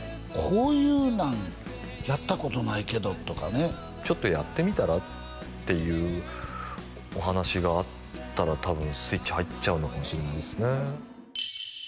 こういうなんやったことないけどとかねちょっとやってみたら？っていうお話があったら多分スイッチ入っちゃうのかもしれないですね